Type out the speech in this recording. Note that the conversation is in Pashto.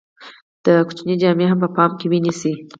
د ماشوم جامې هم په پام کې ونیسئ.